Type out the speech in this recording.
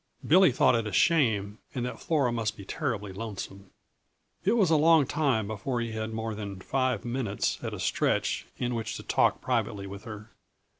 Billy thought it a shame, and that Flora must be terribly lonesome. It was a long time before he had more than five minutes at a stretch in which to talk privately with her.